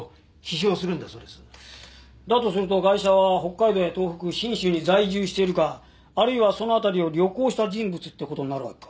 だとするとガイシャは北海道や東北信州に在住しているかあるいはその辺りを旅行した人物って事になるわけか。